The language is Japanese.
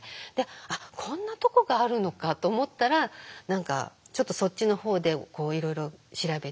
あっこんなとこがあるのかと思ったら何かちょっとそっちのほうでいろいろ調べていって。